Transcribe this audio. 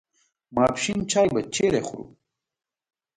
ماپښین چای به چیرې خورو.